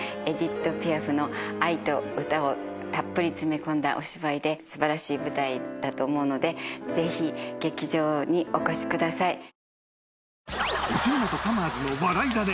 エディット・ピアフの愛と歌をたっぷり詰め込んだお芝居で素晴らしい舞台だと思うのでぜひ劇場にお越しください。